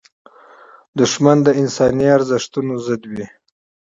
دښمن د انساني ارزښتونو ضد وي